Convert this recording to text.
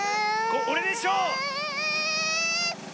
おれでしょう！